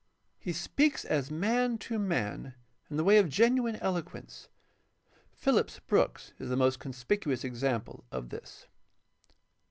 He speaks as man to man in the way of genuine eloquence. Phillips Brooks is the most conspicuous example of this.